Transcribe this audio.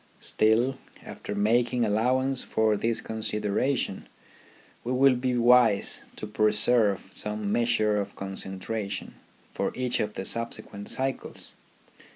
Still, after making allowance for this consideration, we will be wise to preserve some measure of concentration for each of the subsequent cycles.